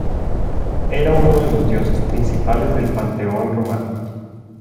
Era uno de los dioses principales del panteón romano.